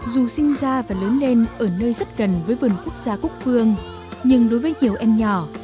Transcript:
dù sinh ra và lớn lên ở nơi rất gần với vườn quốc gia cúc phương nhưng đối với nhiều em nhỏ